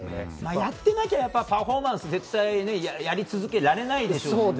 やってなきゃパフォーマンスは絶対、やり続けられないですよね。